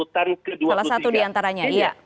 salah satu di antaranya iya